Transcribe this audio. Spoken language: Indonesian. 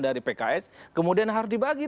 dari pks kemudian harus dibagi